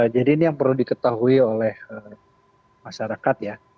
jadi ini yang perlu diketahui oleh masyarakat ya